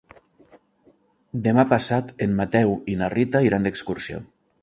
Demà passat en Mateu i na Rita iran d'excursió.